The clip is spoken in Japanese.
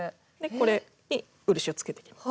これに漆をつけていきます。